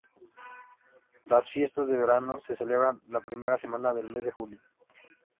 Las Fiestas de Verano se celebran la primera semana del mes de julio.